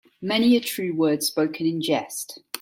Many a true word spoken in jest.